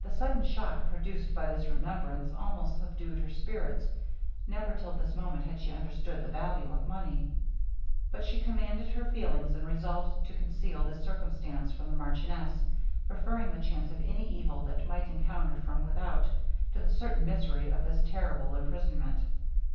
The sudden shock produced by this remembrance almost subdued her spirits; never till this moment had she understood the value of money. But she commanded her feelings, and resolved to conceal this circumstance from the marchioness, preferring the chance of any evil they might encounter from without, to the certain misery of this terrible imprisonment.